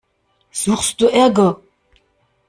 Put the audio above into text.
Suchst du Ärger?